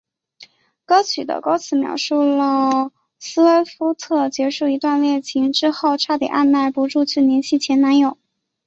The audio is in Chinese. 歌曲的歌词描述了斯威夫特结束一段恋情之后差点按捺不住去联系前男友。